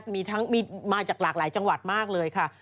มีทั้งมีมาจากหลากหลายจังหวัดมากเลยค่ะ